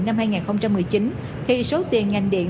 năm hai nghìn một mươi chín khi số tiền ngành điện